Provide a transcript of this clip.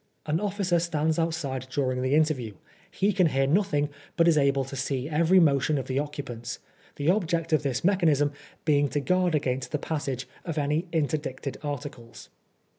An officer stands outside during the interview : he can hear nothing, but he is able to see every motion of the occupants; the object of this mechanism being to guard against the passage of any interdicted articles.